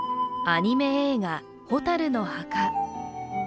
アニメ映画「火垂るの墓」。